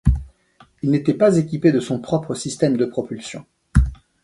Il n'était pas équipé de son propre système de propulsion.